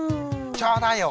ちょうだいよ。